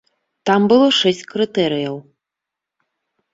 Там было шэсць крытэрыяў.